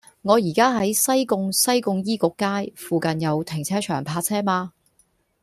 我依家喺西貢西貢醫局街，附近有停車場泊車嗎